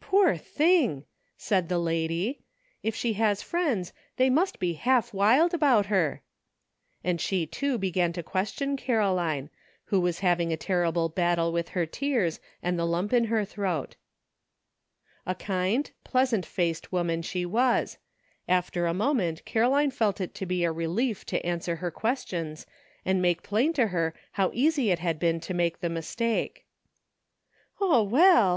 Poor thing !" said the lady ;" if she has friends they must be half wild about her," and she too began to question Caroline, who was having a terrible battle with her tears and the lump in her throat. A kind, pleasant faced woman she was ; after a moment Caroline felt it to be a relief to answer her questions and make plain to her how easy it had been to make the mistake. A NEW FRIEND. 75 "O, well!"